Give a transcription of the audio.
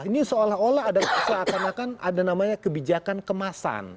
ini seolah olah ada seakan akan ada namanya kebijakan kemasan